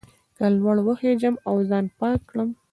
که لوړ وخېژم او ځان پاک کړم.